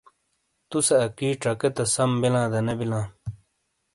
تُوسے اَکی ڇَکے تا سَم بِیلاں دا نے بِیلاں۔